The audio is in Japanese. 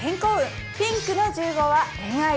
ピンクの１５は恋愛運。